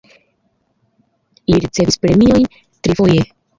Li ricevis premiojn trifoje.